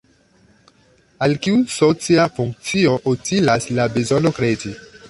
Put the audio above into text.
Al kiu socia funkcio utilas la bezono kredi?